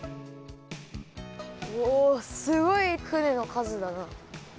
おすごい船のかずだな。